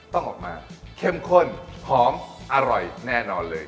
ต้องออกมาเข้มข้นหอมอร่อยแน่นอนเลย